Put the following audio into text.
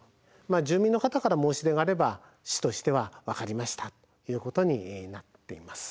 まあ住民の方から申し出があれば市としては「分かりました」ということになっています。